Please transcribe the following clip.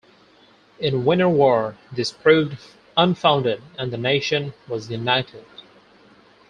In Winter War this proved unfounded and the nation was united.